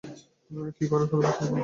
কি করার কথা ভাবছেন আপনারা?